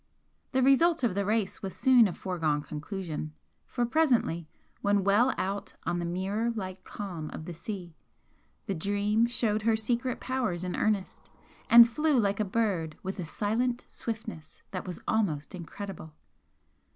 The result of the race was soon a foregone conclusion, for presently, when well out on the mirror like calm of the sea, the 'Dream' showed her secret powers in earnest, and flew like a bird with a silent swiftness that was almost incredible.